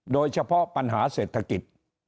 โดยเฉพาะปัญหาเศรษฐกิจ